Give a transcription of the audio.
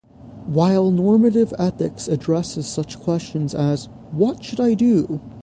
While normative ethics addresses such questions as What should I do?